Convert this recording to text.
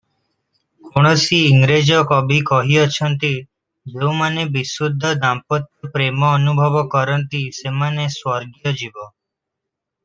କୌଣସି ଇଂରେଜ କବି କହିଅଛନ୍ତି "ଯେଉଁମାନେ ବିଶୁଦ୍ଧ ଦାମ୍ପତ୍ୟ ପ୍ରେମ ଅନୁଭବ କରନ୍ତି, ସେମାନେ ସ୍ୱର୍ଗୀୟ ଜୀବ ।